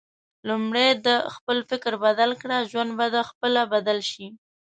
لومړی د خپل فکر بدل کړه ، ژوند به د خپله بدل شي